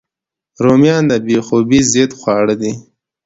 رومیان د بې خوبۍ ضد خواړه دي